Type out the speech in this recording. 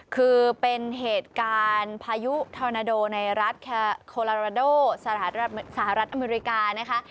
คือเป็นเหตุการณ์พายุทอนาโดในรัฐแคโคลาราโดสหรัฐอเมริกานะคะ